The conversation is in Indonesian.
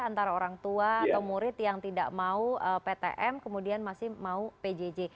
antara orang tua atau murid yang tidak mau ptm kemudian masih mau pjj